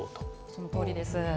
そのとおりです。